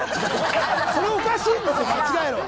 それおかしいんですよ、間違えろは。